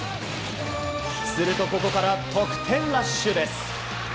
すると、ここから得点ラッシュです。